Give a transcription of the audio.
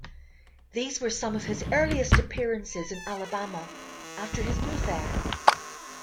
These were some of his earliest appearances in Alabama after his move there.